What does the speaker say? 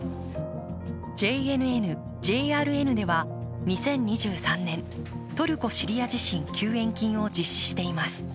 ＪＮＮ・ＪＲＮでは２０２３年トルコ・シリア地震救援金を実施しています。